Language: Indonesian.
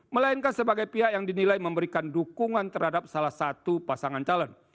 melainkan sebagai pihak yang dinilai memberikan dukungan terhadap salah satu pasangan calon